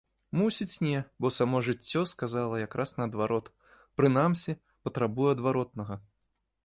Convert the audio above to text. Мусіць, не, бо само жыццё сказала якраз наадварот, прынамсі, патрабуе адваротнага.